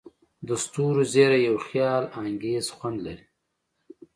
د ستورو زیرۍ یو خیالانګیز خوند لري.